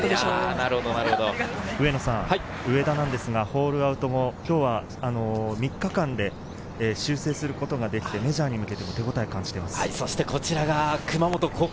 上田はホールアウト後、３日間で修正することができて、メジャーに向けての手応えを感じています。